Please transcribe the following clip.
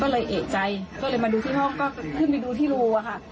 ก็เลยเอกใจก็เลยมาดูที่ห้องก็ขึ้นไปดูที่รูอะค่ะ